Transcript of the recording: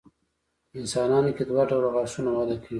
په انسانانو کې دوه ډوله غاښونه وده کوي.